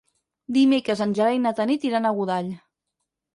Dimecres en Gerai i na Tanit iran a Godall.